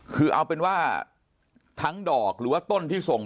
คือเอาเป็นว่าทั้งดอกหรือว่าต้นที่ส่ง